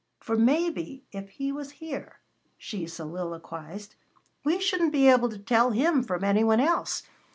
"For maybe if He was here," she soliloquized, "we shouldn't be able to tell Him from anyone else.